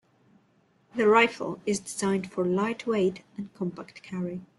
The rifle is designed for light weight and compact carry.